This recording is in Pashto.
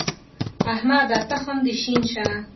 احمده! تخم دې شين شه.